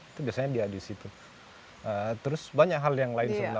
itu biasanya dia di situ terus banyak hal yang lain sebenarnya